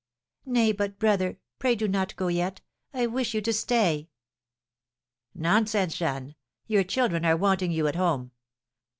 "Nay, but, brother, pray do not go yet; I wish you to stay." "Nonsense, Jeanne; your children are wanting you at home.